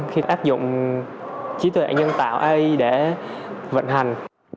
khi áp dụng trí tuệ nhân tạo ai để vận hành